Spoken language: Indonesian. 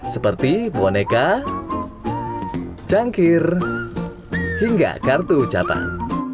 seperti boneka cangkir hingga kartu ucapan